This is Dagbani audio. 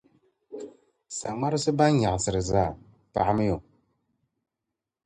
Saŋmarisi bɛn nyaɣisiri zaa, paɣimiy’ o!